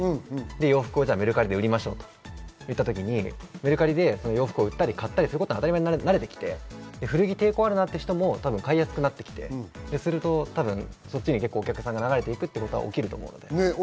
洋服をメルカリで売りましょうといったときに洋服を売ったり、買ったりするのに慣れてきて、古着に抵抗がある人も買いやすくなってきて、そっちにお客さんが流れていくことは起きると思います。